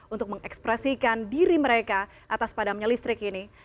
untuk mengekspresikan diri mereka atas padamnya listrik ini